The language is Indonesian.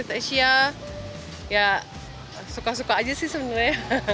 asiasia ya suka suka aja sih sebenernya